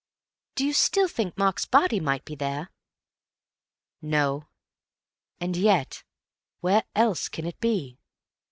"Do you still think Mark's body might be there?" "No. And yet where else can it be?